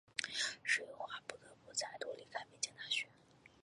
石蕴华不得不再度离开北京大学。